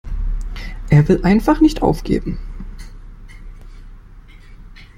Er will einfach nicht aufgeben.